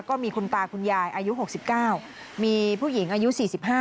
ก็มีคุณตาคุณยายอายุ๖๙มีผู้หญิงอายุ๔๕